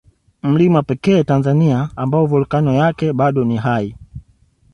Mlima pekee Tanzania ambao Volkano yake bado ni hai